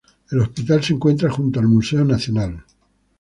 El hospital se encuentra junto al Museo Nacional.